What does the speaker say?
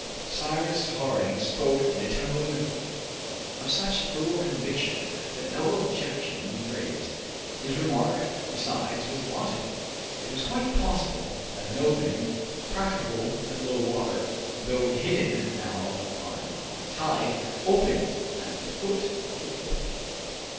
Cyrus Harding spoke in a tone of such thorough conviction that no objection was raised. His remark, besides, was logical. It was quite possible that an opening, practicable at low water, though hidden now by the high tide, opened at the foot of the cliff.